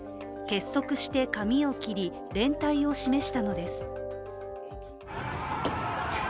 結束して髪を切り、連帯を示したのです。